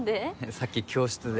さっき教室で。